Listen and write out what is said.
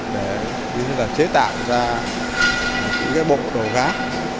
để chế tạo ra những cái bộ đồ gác